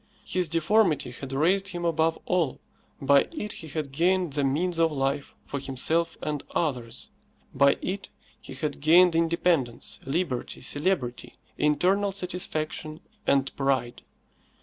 His deformity had raised him above all. By it he had gained the means of life for himself and others; by it he had gained independence, liberty, celebrity, internal satisfaction and pride.